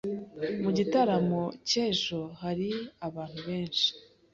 Mu gitaramo cy'ejo hari abantu benshi.